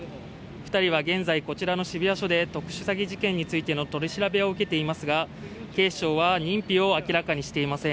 ２人は現在こちらの渋谷署で特殊詐欺事件についての取り調べを受けていますが警視庁は認否を明らかにしていません。